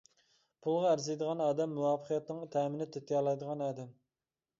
پۇلغا ئەرزىيدىغان ئادەم مۇۋەپپەقىيەتنىڭ تەمىنى تېتىيالايدىغان ئادەم.